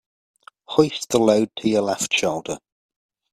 Hoist the load to your left shoulder.